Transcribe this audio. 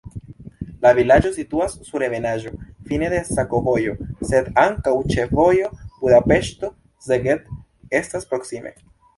La vilaĝo situas sur ebenaĵo, fine de sakovojo, sed ankaŭ ĉefvojo Budapeŝto-Szeged estas proksime.